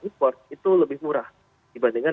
import itu lebih murah dibandingkan